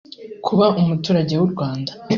kuba umuturage w’u Rwanda